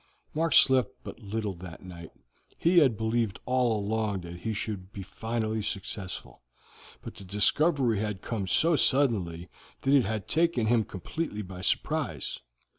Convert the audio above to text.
Mark slept but little that night. He had believed all along that he should be finally successful, but the discovery had come so suddenly that it had taken him completely by surprise.